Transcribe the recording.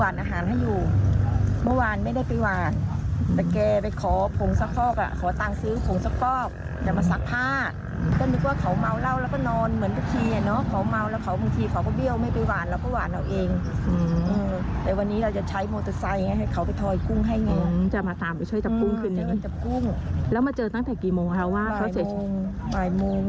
แล้วมาเจอตั้งแต่กี่โมงคะว่าเสร็จมายโมงมายโมงยี่สิบนี่แหละเสร็จนี่แหละ